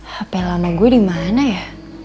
hp lama gue dimana ya